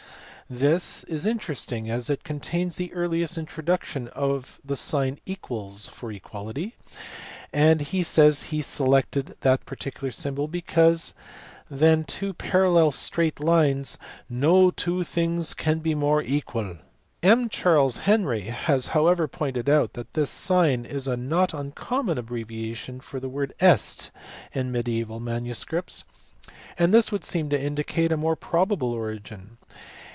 This is interesting as it contains the earliest introduction of the sign = for equality, and he says he selected that particular symbol because than two parallel straight lines u noe 2 thynges can be moare equalle." M. Charles Henry has however pointed out that this sign is a not uncommon abbreviation for the word est in mediaeval manuscripts ; and this would seem to indicate a more probable origin.